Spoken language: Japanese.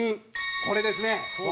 これですね。